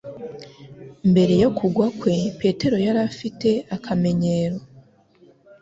Mbere yo kugwa kwe, Petero yari afite akamenyero